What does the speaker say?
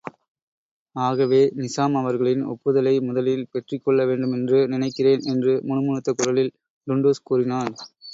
ஆகவே நிசாம் அவர்களின் ஒப்புதலை முதலில் பெற்றுக் கொள்ளவேண்டுமென்று நினைக்கிறேன் என்று முணுமுணுத்த குரலில் டுன்டுஷ் கூறினான்.